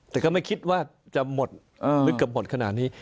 แต่ก็ไม่คิดว่าจะหมดลึกเกือบหมดขนาดนี้